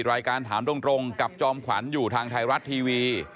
รายการถามตรงกับจอมขวัญอยู่ทางไทยรัฐทีวี